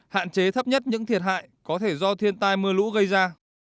hạn chế thấp nhất những thiệt hại có thể do thiên tai mưa lũ gây ra